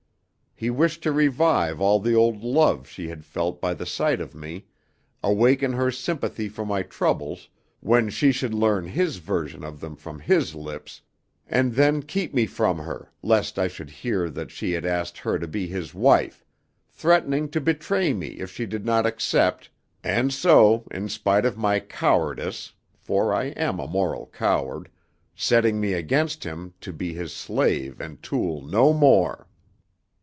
He wished to revive all the old love she had felt by the sight of me, awaken her sympathy for my troubles, when she should learn his version of them from his lips, and then keep me from her, lest I should hear that he had asked her to be his wife, threatening to betray me if she did not accept, and so, in spite of my cowardice (for I am a moral coward), setting me against him, to be his slave and tool no more.